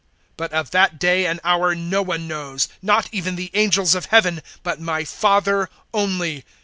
(36)But of that day and hour no one knows, not even the angels of heaven, but my Father only.